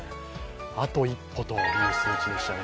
あと一歩という数値でしたね。